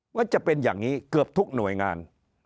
ว่าจะเป็นอย่างนี้เกือบทุกหน่วยงาน